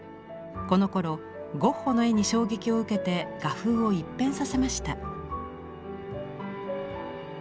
このころゴッホの絵に衝撃を受けて画風を一変させました。